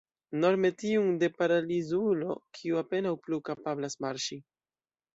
Nome tiun de paralizulo, kiu apenaŭ plu kapablas marŝi.